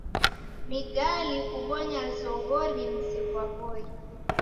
Ni gali kubonya zoghori mzi ghwa W'oi.